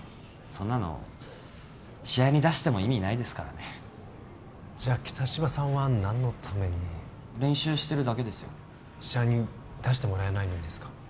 そんなの試合に出しても意味ないですからねじゃあ北芝さんは何のために練習してるだけですよ試合に出してもらえないのにですか？